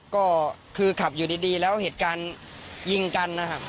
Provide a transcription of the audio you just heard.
ก็คือขับอยู่ดีแล้วเหตุการณ์ยิงกันนะครับ